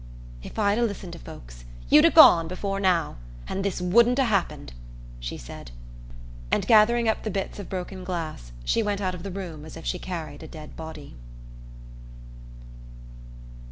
"If I'd 'a' listened to folks, you'd 'a' gone before now, and this wouldn't 'a' happened," she said; and gathering up the bits of broken glass she went out of the room as if she carried a dead body...